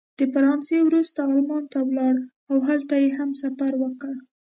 د فرانسې وروسته المان ته ولاړ او هلته یې هم سفر وکړ.